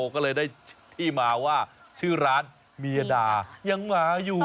ก็เลยได้ที่มาว่าชื่อร้านเมียดายังหมาอยู่